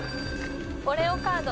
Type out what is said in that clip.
オレオカード。